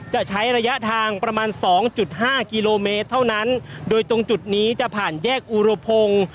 จะใช้ระยะทางประมาณสองจุดห้ากิโลเมตรเท่านั้นโดยตรงจุดนี้จะผ่านแยกอุรพงศ์